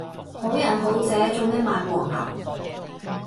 好人好姐做咩買黃牛